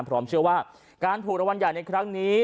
พร้อมเชื่อว่าการถูกรางวัลใหญ่ในครั้งนี้